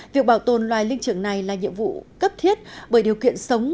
việc bảo tồn loài linh trưởng này là nhiệm vụ cấp thiết bởi điều kiện sống